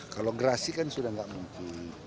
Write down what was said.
kalau gerasi kan sudah tidak mungkin